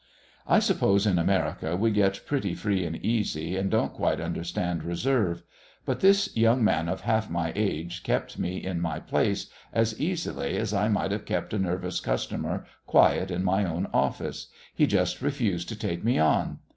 I suppose in America we get pretty free and easy, and don't quite understand reserve. But this young man of half my age kept me in my place as easily as I might have kept a nervous customer quiet in my own office. He just refused to take me on.